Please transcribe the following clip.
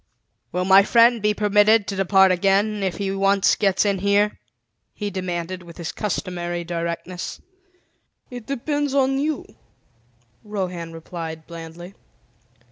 "Will my friend be permitted to depart again, if he once gets in here?" he demanded with his customary directness. "It depends on you," Rohan replied blandly.